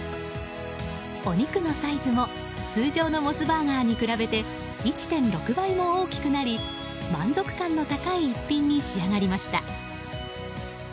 お肉のサイズも通常のモスバーガーに比べて１．６倍も大きくなり満足感の高い一品に仕上がりました。